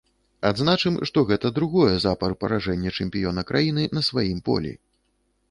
Адзначым, што гэта другое запар паражэнне чэмпіёна краіны на сваім полі.